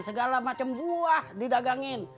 segala macem buah didagangin